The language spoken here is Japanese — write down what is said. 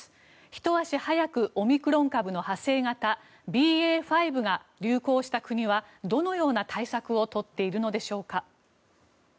ひと足早くオミクロン株の派生型ＢＡ．５が流行した国はどのような対策を取っているのでしょうか。